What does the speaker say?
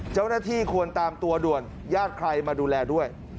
เจ้าหน้าที่ควรตามตัวด่วนญาติใครมาดูแลด้วย